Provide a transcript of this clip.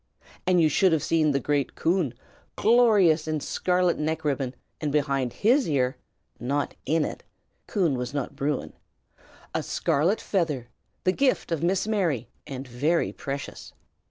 And you should have seen the great Coon, glorious in scarlet neck ribbon, and behind his ear (not in it! Coon was not Bruin) a scarlet feather, the gift of Miss Mary, and very precious.